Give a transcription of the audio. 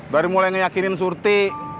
dari mulai ngeyakinin surti